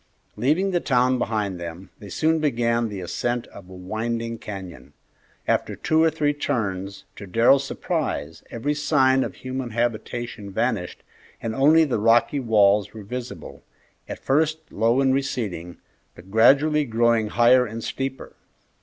Leaving the town behind them, they soon began the ascent of a winding canyon. After two or three turns, to Darrell's surprise, every sign of human habitation vanished and only the rocky walls were visible, at first low and receding, but gradually growing higher and steeper.